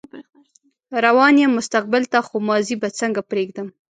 روان يم مستقبل ته خو ماضي به څنګه پرېږدم